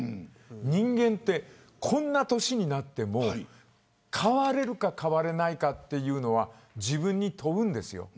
人間はこんな年になっても変われるか変われないかというのは自分に問うんです。